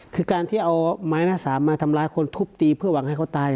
คือการที่เอาไม้หน้าสามมาทำร้ายคนทุบตีเพื่อหวังให้เขาตาย